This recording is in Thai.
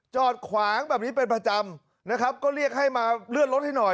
จอดขวางแบบนี้เป็นประจำนะครับก็เรียกให้มาเลื่อนรถให้หน่อย